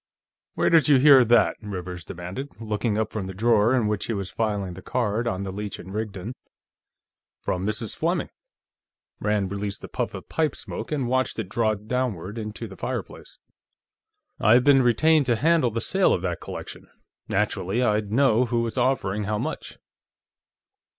"Where did you hear that?" Rivers demanded, looking up from the drawer in which he was filing the card on the Leech & Rigdon. "From Mrs. Fleming." Rand released a puff of pipe smoke and watched it draw downward into the fireplace. "I've been retained to handle the sale of that collection; naturally, I'd know who was offering how much."